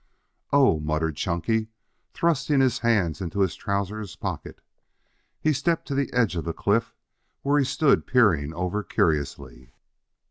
"Oh," muttered Chunky, thrusting his hands into his trousers pockets. He stepped to the edge of the cliff, where he stood peering over curiously.